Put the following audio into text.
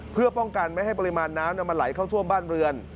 เพื่อป้องกันไม่ให้ปริมาณน้ำมันไหลเข้าท่วมบ้านเรือน